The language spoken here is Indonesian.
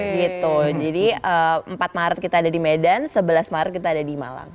gitu jadi empat maret kita ada di medan sebelas maret kita ada di malang